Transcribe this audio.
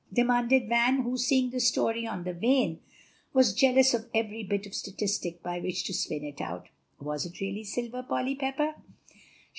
demanded Van, who, seeing the story on the wane, was jealous of every bit of statistic by which to spin it out; "was it really silver, Polly Pepper?"